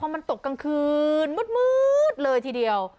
มันตกกลางคืนมืดเลยทีเดียว